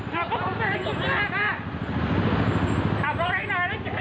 ถอบครับผมเปลี่ยนอีกฝึกหน้าค่ะ